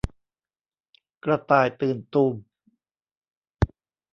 กระต่ายตื่นตูม